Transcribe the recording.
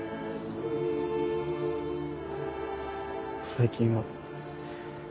最近は。